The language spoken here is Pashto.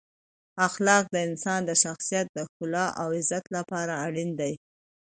اخلاق د انسان د شخصیت د ښکلا او عزت لپاره اړین دی.